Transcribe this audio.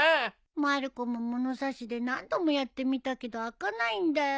まる子も物差しで何度もやってみたけど開かないんだよ。